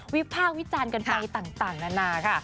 ภาควิจารณ์กันไปต่างนานาค่ะ